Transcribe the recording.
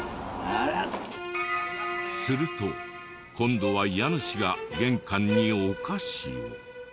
すると今度は家主が玄関にお菓子を。